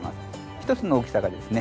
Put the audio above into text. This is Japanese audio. １つの大きさがですね